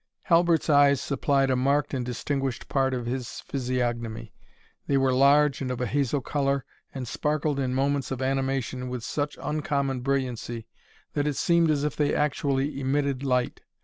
Halbert's eyes supplied a marked and distinguished part of his physiognomy. They were large and of a hazel colour, and sparkled in moments of animation with such uncommon brilliancy, that it seemed as if they actually emitted light.